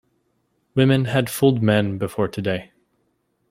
Women had fooled men before today.